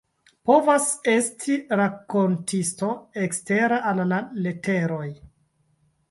Povas esti rakontisto ekstera al la leteroj.